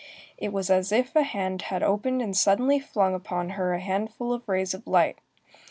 It was as if a hand had opened and suddenly flung upon her a handful of rays of light.